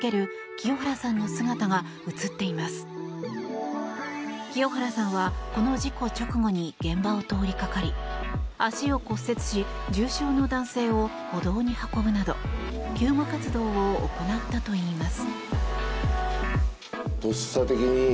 清原さんはこの事故直後に現場を通りかかり足を骨折し重傷の男性を歩道に運ぶなど救護活動を行ったといいます。